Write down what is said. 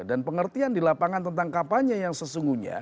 dan pengertian di lapangan tentang kampanye yang sesungguhnya